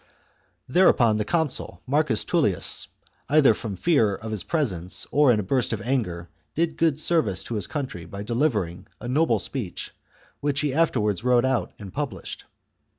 Thereupon, the consul, Marcus TuUius, either from fear of his presence or in a burst of anger, did good service to his country by delivering a noble speech, which he afterwards wrote out and published.